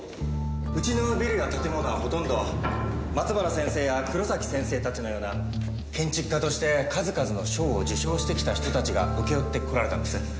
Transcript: うちのビルや建物はほとんど松原先生や黒崎先生たちのような建築家として数々の賞を受賞してきた人たちが請け負ってこられたんです。